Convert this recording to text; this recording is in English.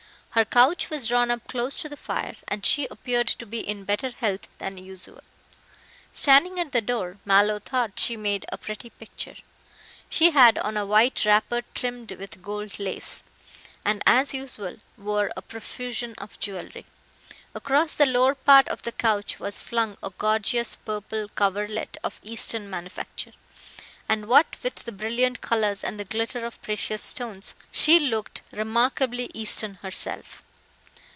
Her couch was drawn up close to the fire, and she appeared to be in better health than usual. Standing at the door, Mallow thought she made a pretty picture. She had on a white wrapper trimmed with gold lace, and as usual, wore a profusion of jewelry. Across the lower part of the couch was flung a gorgeous purple coverlet of eastern manufacture, and what with the brilliant colors and the glitter of precious stones, she looked remarkably eastern herself.